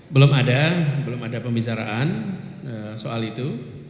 belum ada belum ada pembicaraan soal itu